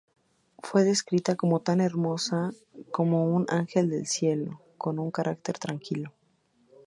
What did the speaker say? Fue descrita como tan hermosa como "un ángel del Cielo", con un carácter tranquilo.